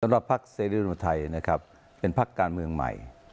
สำหรับภักดิ์เสรีริรวมไทยนะครับเป็นภักดิ์การเมืองใหม่